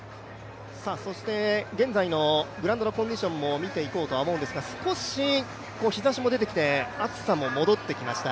そして現在のグラウンドコンディションを見ていこうと思うんですが少し日ざしも出てきて、暑さも戻ってきました。